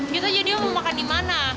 kita jadi mau makan dimana